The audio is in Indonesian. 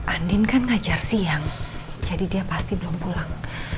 andin kan ngajar siang jadi dia pasti belum pulang